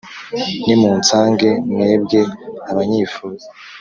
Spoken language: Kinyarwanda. Nimunsange mwebwe abanyifuza,